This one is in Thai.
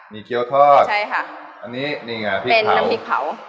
มีเกี้ยวทอดใช่ค่ะอันนี้นี่ไงพี่เป็นน้ำพริกเผา